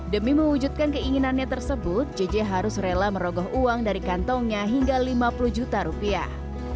demi mewujudkan keinginannya tersebut jj harus rela merogoh uang dari kantongnya hingga lima puluh juta rupiah